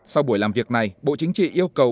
sau buổi làm việc này bộ chính trị yêu cầu